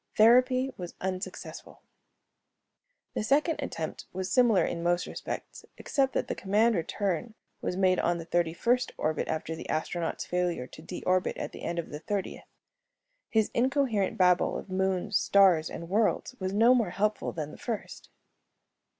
Therapy was unsuccessful. The second attempt was similar in most respects, except that command return was made on the thirty first orbit after the astronaut's failure to de orbit at the end of the thirtieth. His incoherent babble of moons, stars, and worlds was no more helpful than the first.